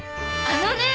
あのね。